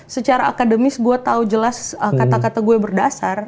secara akademis gue tahu jelas kata kata gue berdasar